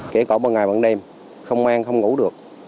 kể cả bằng ngày bằng đêm không an không ngủ được